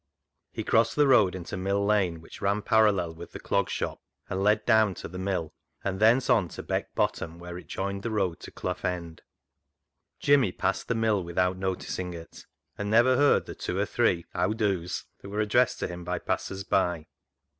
He crossed the road into Mill Lane, which ran parallel with the Clog Shop, and led down to the mill, and thence on to Beck Bottom, where it joined the road to Clough End. Jimmy passed the mill without noticing it, and never heard the two or three " How do's " that were addressed to him by passers by.